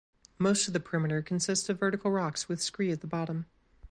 Most of the perimeter consists of vertical rocks with scree at the bottom.